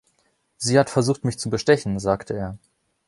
Sie hat versucht, mich zu bestechen, sagte er.